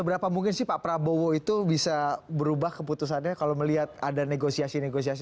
seberapa mungkin sih pak prabowo itu bisa berubah keputusannya kalau melihat ada negosiasi negosiasi